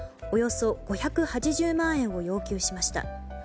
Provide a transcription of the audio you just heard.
およそ５８０万円を要求しました。